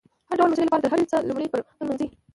د هر ډول مشري لپاره تر هر څه لمړی خپلمنځي